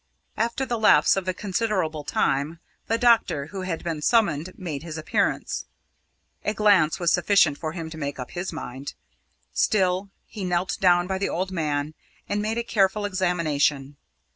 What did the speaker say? After the lapse of a considerable time, the doctor who had been summoned made his appearance. A glance was sufficient for him to make up his mind. Still, he knelt down by the old man, and made a careful examination.